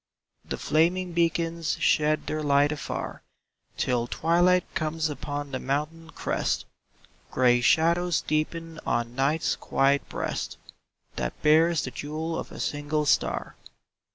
The flaming beacons shed their light afar Till twilight comes upon the mountain crest ; Gray shadows deepen on Night's quiet breast, That bears the jewel of a single star.